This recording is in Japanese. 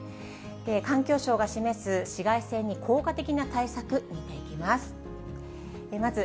環境省が示す紫外線に効果的な対策、見ていきます。